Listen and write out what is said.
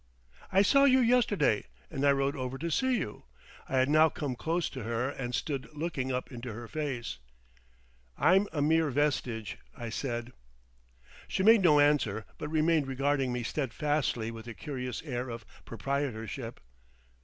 "I saw you yesterday. And I rode over to see you." I had now come close to her, and stood looking up into her face. "I'm a mere vestige," I said. She made no answer, but remained regarding me steadfastly with a curious air of proprietorship.